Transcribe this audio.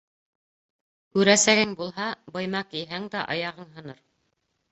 Күрәсәгең булһа, быйма кейһәң дә, аяғың һыныр.